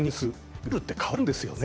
ルールって変わるんですね